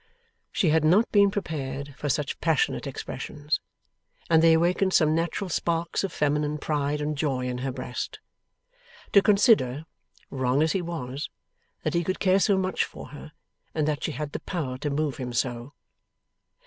She had not been prepared for such passionate expressions, and they awakened some natural sparks of feminine pride and joy in her breast. To consider, wrong as he was, that he could care so much for her, and that she had the power to move him so!